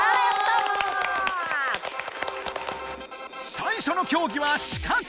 最初の競技は視覚！